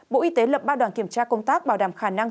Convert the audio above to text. bộ y tế lập ba đoàn kiểm tra công tác bảo đảm khả năng